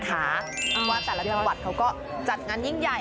เพราะว่าแต่ละจังหวัดเขาก็จัดงานยิ่งใหญ่